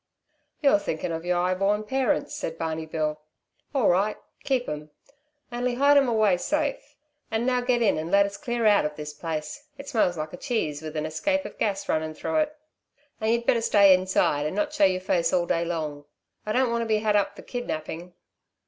"You're thinking of your 'igh born parents," said Barney Bill. "All right, keep 'em. Only hide 'ern away safe. And now get in and let us clear out of this place. It smelts like a cheese with an escape of gas running through it. And you'd better stay inside and not show your face all day long. I don't want to be had up for kidnapping."